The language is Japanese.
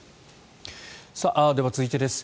では続いてです。